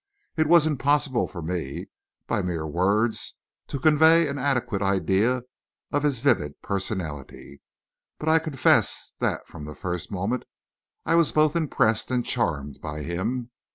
It is impossible for me, by mere words, to convey any adequate idea of his vivid personality; but I confess that, from the first moment, I was both impressed and charmed by him.